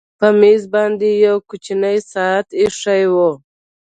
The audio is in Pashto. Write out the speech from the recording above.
په مېز باندې یو کوچنی ساعت ایښی و